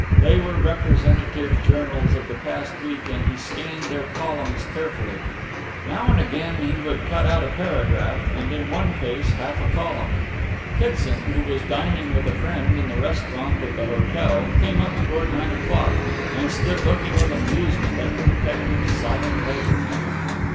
They were representative journals of the past week, and he scanned their columns carefully. Now and again he would cut out a paragraph and in one case half a column. Kitson, who was dining with a friend in the restaurant of the hotel, came up toward nine o'clock and stood looking with amusement at the detective's silent labours.